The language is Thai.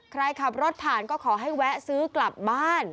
ใครขับรถผ่านก็ขอให้แวะซื้อกลับบ้าน